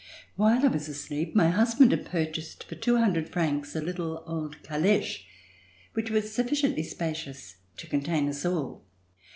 While I was asleep my husband had purchased for two hundred francs a little old caleche which was sufficiently spacious to contain us all.